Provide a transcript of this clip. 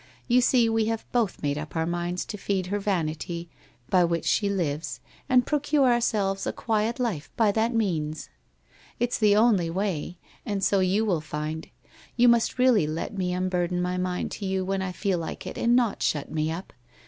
You see, we have both made up our minds to feed her vanity by which she lives, and procure ourselves a quiet life by that means. It's the only way, and so you will find. You must really let me unburden my mind to you when T frol like it, and not shut me up.